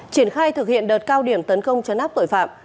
triển khai thực hiện đợt cao điểm tấn công chấn áp tội phạm